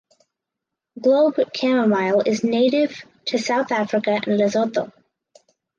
Globe chamomile is native to South Africa and Lesotho.